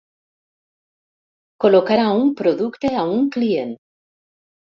Col·locarà un producte a un client.